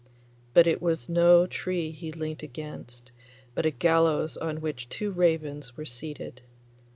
But it was no tree he leant against, but a gallows on which two ravens were seated.